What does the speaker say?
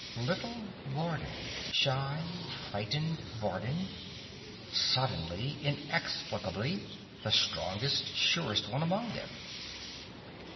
Little Vardin, shy, frightened Vardin, suddenly, inexplicably, the strongest, surest one among them....